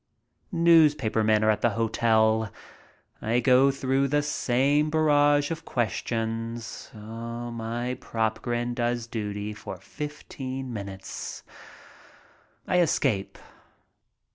Newspaper men are at the hotel. I go through the same barrage of questions. My "prop" grin does duty for fifteen minutes. I escape.